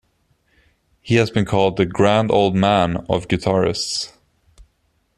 He has been called the "grand old man of guitarists".